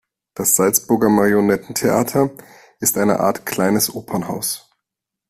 Das Salzburger Marionettentheater ist eine Art kleines Opernhaus.